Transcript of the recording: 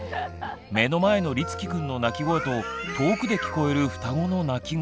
目の前のりつきくんの泣き声と遠くで聞こえる双子の泣き声。